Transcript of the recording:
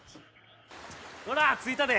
ほら着いたで。